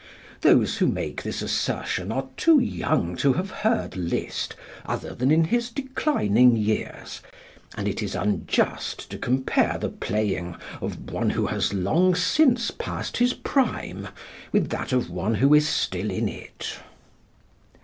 Those who make this assertion are too young to have heard Liszt other than in his declining years, and it is unjust to compare the playing of one who has long since passed his prime with that of one who is still in it."